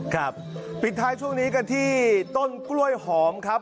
ครับปิดท้ายช่วงนี้กันที่ต้นกล้วยหอมครับ